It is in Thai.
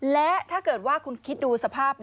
และถ้าเกิดว่าคุณคิดดูสภาพ